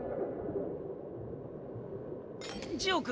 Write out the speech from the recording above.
ジオ君！